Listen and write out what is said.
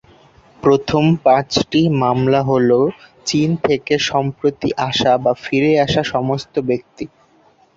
প্রথম পাঁচটি মামলা হ'ল চীন থেকে সম্প্রতি আসা বা ফিরে আসা সমস্ত ব্যক্তি।